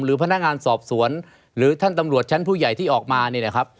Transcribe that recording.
พนักงานสอบสวนหรือท่านตำรวจชั้นผู้ใหญ่ที่ออกมาเนี่ยนะครับ